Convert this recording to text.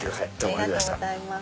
ありがとうございます。